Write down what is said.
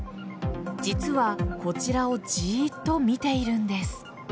実はこちらをじっと見ているんです。